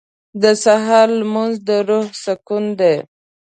• د سهار لمونځ د روح سکون دی.